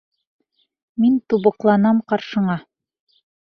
Мин тубыҡланам ҡаршыңа!